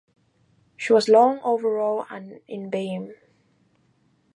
She was long overall and in beam.